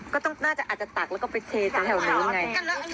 ก็ต้องน่าจะอาจจะตักแล้วก็ไปเชษทั้งแถวนี้ไง